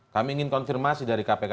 kami ingin konfirmasi dari kpk